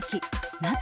なぜ？